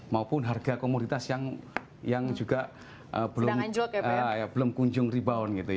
maupun harga komoditas yang juga belum kunjung rebound